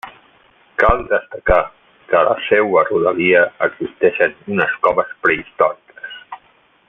Cal destacar que a la seua rodalia existeixen unes coves prehistòriques.